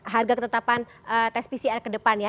harga ketetapan tes pcr ke depannya